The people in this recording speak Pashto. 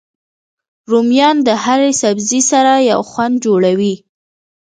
رومیان له هر سبزي سره یو خوند جوړوي